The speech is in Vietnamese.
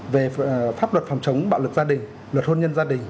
về pháp luật phòng chống bạo lực gia đình luật hôn nhân gia đình